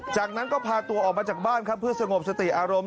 จากนั้นก็พาตัวออกมาจากบ้านครับเพื่อสงบสติอารมณ์